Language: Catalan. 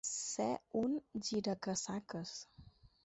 Ser un giracasaques.